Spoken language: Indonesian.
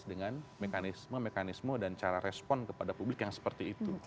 dengan mekanisme mekanisme dan cara respon kepada publik yang seperti itu